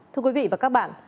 thưa quý vị và các bạn